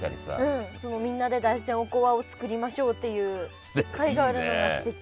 うんみんなで大山おこわを作りましょうっていう会があるのがすてき。